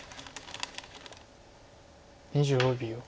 ２５秒。